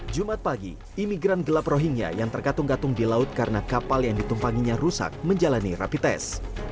jumat pagi imigran gelap rohingya yang tergatung gatung di laut karena kapal yang ditumpanginya rusak menjalani rapites